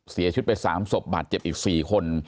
เสียชีวิตไป๓ศพบาดเจ็บอีก๔คน